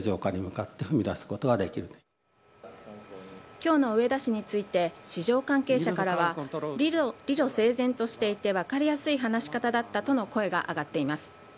今日の植田氏について市場関係者からは理路整然としていて分かりやすい話し方だったとの声が上がっています。